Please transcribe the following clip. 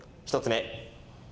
１つ目。